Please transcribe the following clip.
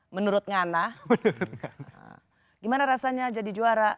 menurut ngana gimana rasanya jadi juara